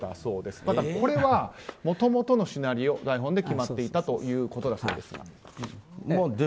ただ、これはもともとのシナリオ台本で決まっていたということだそうです。